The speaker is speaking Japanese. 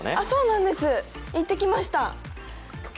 そうなんです、行ってきました。